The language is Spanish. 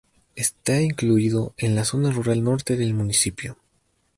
Está incluido en la Zona Rural Norte del municipio.